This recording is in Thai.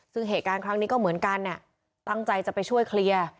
ซึ่งเหตุการณ์ครั้งนี้ก็เหมือนกันตั้งใจจะไปช่วยเคลียร์